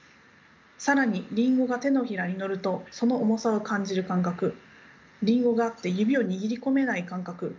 更にりんごが手のひらに載るとその重さを感じる感覚りんごがあって指を握り込めない感覚。